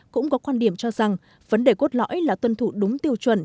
cũng có quan điểm cho rằng vấn đề cốt lõi là tuân thủ đúng tiêu chuẩn